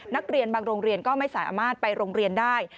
นักเรียนบางโรงเรียนก็ไม่สามารถไปโรงเรียนได้